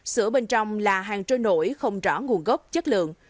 sữa bên trong là hàng trôi nổi không rõ nguồn gốc chất lượng